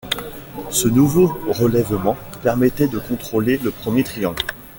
Ce nouveau relèvement permettait de contrôler le premier triangle.